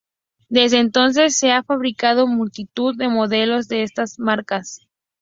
Desde entonces se han fabricado multitud de modelos de estas marcas.